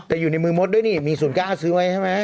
แต่อยู่ในมือมดด้วยนี่มี๐๙ซื้อไว้ใช่ไหม